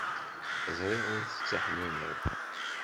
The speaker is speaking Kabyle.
Ẓriɣ ur d-ttiḥnineḍ.